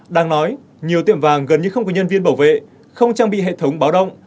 đang nói nhiều tiệm vàng gần như không có nhân viên bảo vệ không trang bị hệ thống báo động